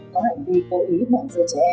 có hạn vì cố ý mạng dơ trẻ em